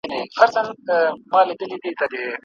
خیراتونه اورېدل پر بې وزلانو